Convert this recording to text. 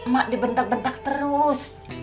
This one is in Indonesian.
mak dibentak bentak terus